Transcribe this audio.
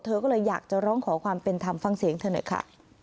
เธอก็เลยอยากจะร้องขอความเป็นธรรมฟังเสียงเธอหน่อยค่ะ